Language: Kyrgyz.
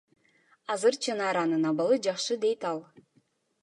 Азыр Чынаранын абалы жакшы, — дейт ал.